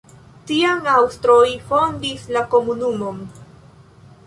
Tiam aŭstroj fondis la komunumon.